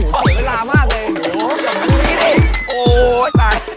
ไม่ลามากเลย